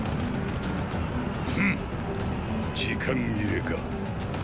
フン時間切れか。